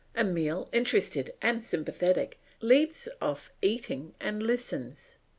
Emile, interested and sympathetic, leaves off eating and listens.